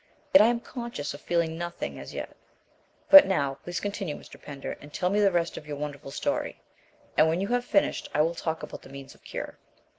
Yet I am conscious of feeling nothing as yet. But now, please continue, Mr. Pender, and tell me the rest of your wonderful story; and when you have finished, I will talk about the means of cure."